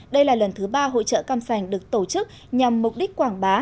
đây là lần thứ ba hội trợ cam sành được tổ chức nhằm mục đích quảng bá